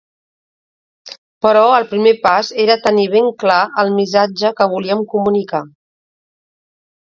Però el primer pas era tenir ben clar el missatge que volíem comunicar.